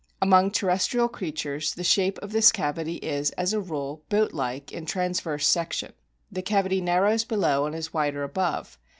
Among terrestrial creatures the shape of this cavity is, as a rule, boat like in transverse section. The cavity narrows below and is wider above.